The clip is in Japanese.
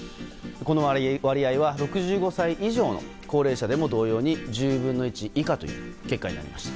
この割合は６５歳以上の高齢者でも同様に１０分の１以下という結果でした。